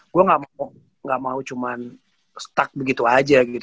gue gak mau cuman stuck begitu aja gitu